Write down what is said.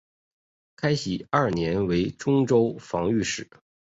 开禧二年为忠州防御使。